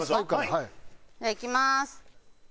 じゃあいきます！